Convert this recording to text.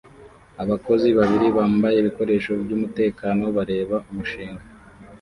Abakozi babiri bambaye ibikoresho byumutekano bareba umushinga